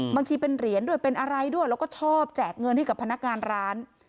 บางทีเป็นเหรียญด้วยเป็นอะไรด้วยแล้วก็ชอบแจกเงินให้กับพนักงานร้าน